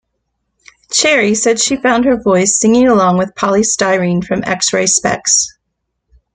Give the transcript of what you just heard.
Cherry said she found her voice singing along with Poly Styrene from X-Ray Spex.